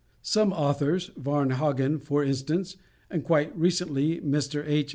Some authors, Varnhagen for instance, and quite recently, Mr. H.